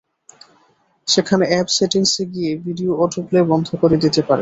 সেখানে অ্যাপ সেটিংসে গিয়ে ভিডিও অটো প্লে বন্ধ করে দিতে পারেন।